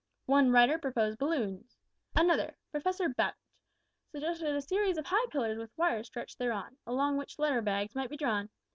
One writer proposed balloons. Another Professor Babbage suggested a series of high pillars with wires stretched thereon, along which letter bags might be drawn.